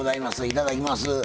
いただきます。